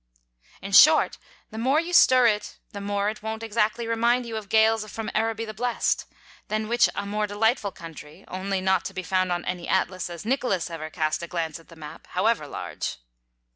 In short, the more you stir it the more it won't exactly remind you of gales from Araby the Blest; than which a more delightful country, only not to be found on any atlas as Nicholas ever cast a glance at the map, however large.